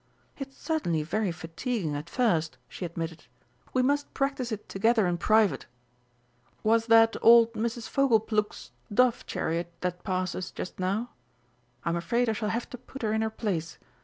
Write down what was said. "It's certainly very fatiguing at first," she admitted; "we must practise it together in private.... Was that old Mrs. Fogleplug's dove chariot that passed us just now? I'm afraid I shall have to put her in her place.